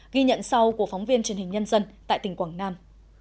ghi nhận sau của phóng viên truyền hình nhân dân tại tỉnh quảng nam